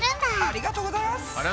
ありがとうございます！